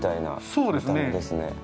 そうですね。